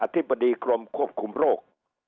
ธิบดีกรมควบคุมโรค